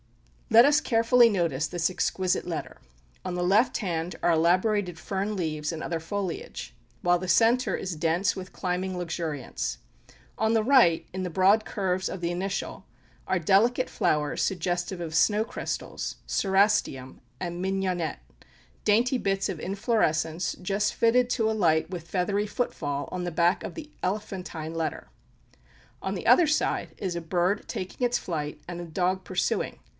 Let us carefully notice this exquisite letter. On the left hand are elaborated fern leaves and other foliage; while the centre is dense with climbing luxuriance. On the right, in the broad curves of the initial, are delicate flowers suggestive of snow crystals, cerastium, and mignonnette, dainty bits of infloresence just fitted to alight with feathery footfall on the back of the elephantine letter. On the other side is a bird taking its flight, and a dog pursuing.